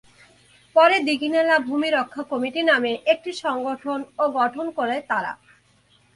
পরে দীঘিনালা ভূমি রক্ষা কমিটি নামে একটি সংগঠনও গঠন করে তারা।